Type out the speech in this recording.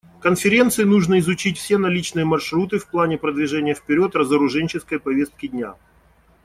Конференции нужно изучить все наличные маршруты в плане продвижения вперед разоруженческой повестки дня.